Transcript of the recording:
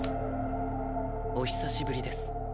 お久しぶりです。